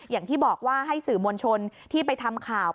อย่างที่บอกว่าให้สื่อมวลชนที่ไปทำข่าว